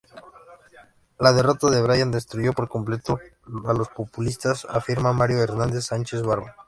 La derrota de Bryan destruyó por completo a los populistas, afirma Mario Hernández Sánchez-Barba.